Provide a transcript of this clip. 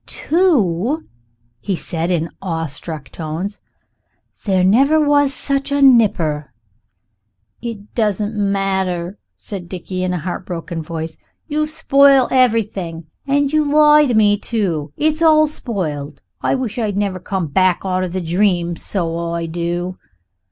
"Two," he said, in awestruck tones; "there never was such a nipper!" "It doesn't matter," said Dickie in a heartbroken voice, "you've spoiled everything, and you lie to me, too. It's all spoiled. I wish I'd never come back outer the dream, so I do."